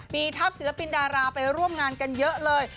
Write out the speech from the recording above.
มีทัพศิลปินดาราไปร่วมงานกันเยอะเลย